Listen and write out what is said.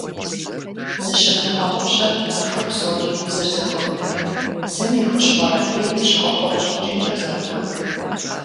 Зыщывмыгъэгъупщэ цӏыхухэр псори зэрызэхуэмыдэр, зым и хущхъуэр адрейм и щхъухьу къыщӏэкӏынкӏэ зэрыхъунур.